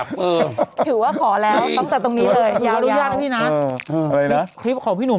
นี่วีดีโอพี่หนุ่ม